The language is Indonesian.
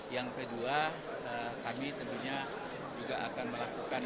yang kedua kami tentunya juga akan melakukan